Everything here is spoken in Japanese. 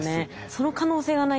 その可能性がないと。